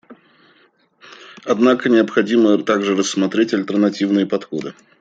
Однако необходимо также рассмотреть альтернативные подходы.